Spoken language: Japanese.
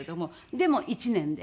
でも１年で。